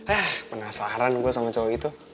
eh penasaran gue sama cowok itu